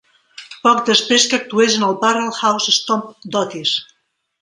Poc després que actués en el Barrel House Stomp d'Otis.